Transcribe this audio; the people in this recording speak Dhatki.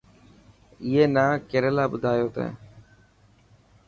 اي نا ڪير يلا ٻڌايو تين.